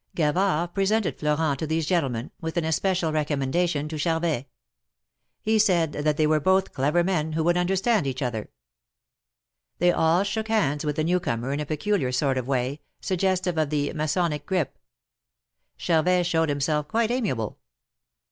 Gavard presented Elorent to these gentlemen, with an especial recommendation to Charvet. He said that they were both clever men, who would understand each other. They all shook hands with the new comer in a peculiar 136 THE MARKETS OF PARIS. sort of way, suggestive of the Masonic grip. Charvet showed himself quite amiable.